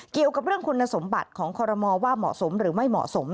เกี่ยวกับเรื่องคุณสมบัติของคอรมอลว่าเหมาะสมหรือไม่เหมาะสม